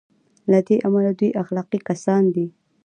له دې امله دوی اخلاقي کسان دي.